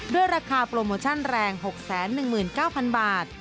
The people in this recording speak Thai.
ด้วยราคาโปรโมชั่นแรง๖๑๙๐๐บาท